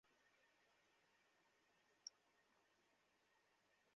একপর্যায়ে মুঠোফোনে কথা বলতে বলতে কলেজের ভেতর নির্জন স্থানে চলে যান।